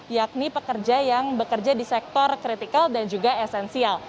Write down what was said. yakni pekerja yang bekerja di sektor kritikal dan juga esensial